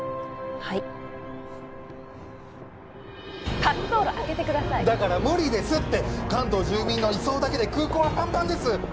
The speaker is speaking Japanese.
はい滑走路あけてくださいだから無理ですって関東住民の移送だけで空港はパンパンです